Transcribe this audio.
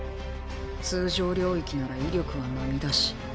通常領域なら威力は並だし。